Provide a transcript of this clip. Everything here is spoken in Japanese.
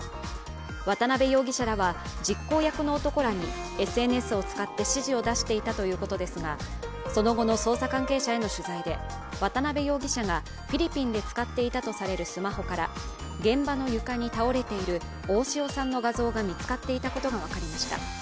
渡辺容疑者らは実行役の男らにＳＮＳを使って指示を出していたということですがその後の捜査関係者への取材で渡辺容疑者がフィリピンで使っていたとされるスマホから現場の床に倒れている大塩さんの画像が見つかっていたことが分かりました。